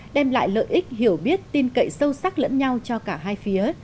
đem lại lợi ích hiểu biết tin cậy sâu sắc lẫn nhau cho cả hai phía